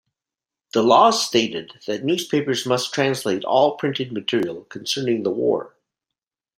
The laws stated that newspapers must translate all printed material concerning the war.